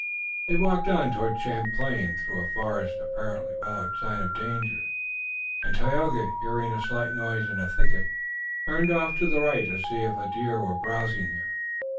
They walked on toward Champlain, through a forest apparently without sign of danger, and Tayoga, hearing a slight noise in a thicket, turned off to the right to see if a deer were browsing there.